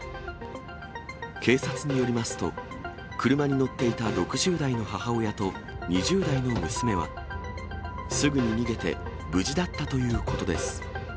警察によりますと、車に乗っていた６０代の母親と２０代の娘は、すぐに逃げて無事だったということです。